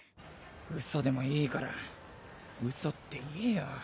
嘘でもいいから嘘って言えよ。